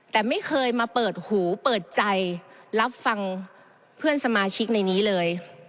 แต่ไม่เคยมาเปิดหูเปิดใจรับฟังเพื่อนสมาชิกในนี้เลย